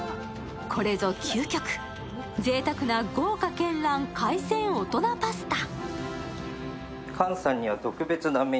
これぞ究極、ぜいたくな豪華けんらん海鮮大人パスタ。